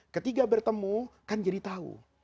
ketika bertemu kan jadi tahu